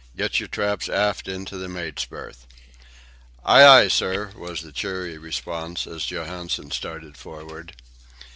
Get your traps aft into the mate's berth." "Ay, ay, sir," was the cheery response, as Johansen started forward.